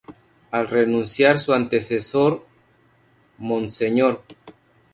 Al renunciar su antecesor, Mons.